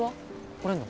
来れんの？